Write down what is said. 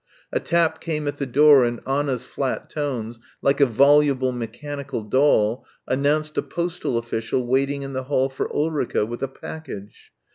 A tap came at the door and Anna's flat tones, like a voluble mechanical doll, announced a postal official waiting in the hall for Ulrica with a package.